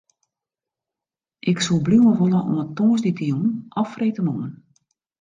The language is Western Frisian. Ik soe bliuwe wolle oant tongersdeitejûn of freedtemoarn.